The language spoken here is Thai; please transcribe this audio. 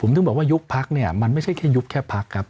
ผมจะบอกว่ายุบพักมันไม่ใช่ที่ยุบแค่พักครับ